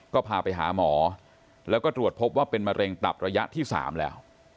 ก็พาไปหาหมอแล้วก็ตรวจพบว่าเป็นมะเร็งตับระยะที่๓แล้ว